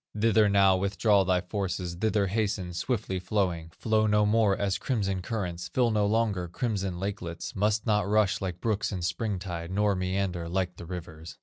Thither now withdraw thy forces, Thither hasten, swiftly flowing; Flow no more as crimson currents, Fill no longer crimson lakelets, Must not rush like brooks in spring tide, Nor meander like the rivers.